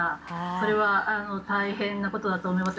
それは大変なことだと思います。